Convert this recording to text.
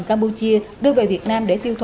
campuchia đưa về việt nam